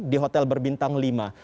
di hotel berbintang lima